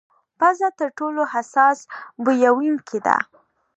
پزه تر ټولو حساس بویونکې ده.